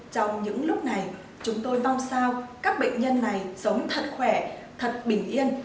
trong những lúc này chúng tôi mong sao các bệnh nhân này sống thật khỏe thật bình yên